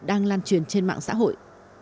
đang lan truyền trên mạng xã hội